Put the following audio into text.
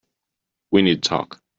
We need to talk.